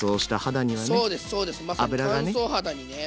まさに乾燥肌にね。